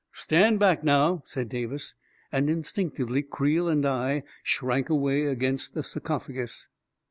" Stand back, now," said Davis, and instinctively Creel and I shrank away against the sarcophagus.